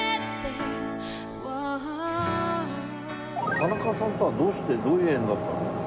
田中さんとはどうしてどういう縁だったの？